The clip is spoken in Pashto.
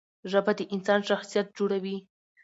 ژبه د انسان شخصیت جوړوي.